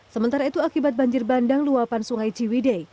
sementara itu akibat banjir bandang luapan sungai ciwidei